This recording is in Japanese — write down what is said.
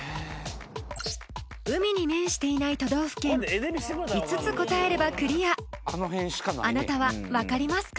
海に面していない都道府県５つ答えればクリアあなたは分かりますか？